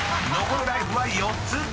残るライフは４つ］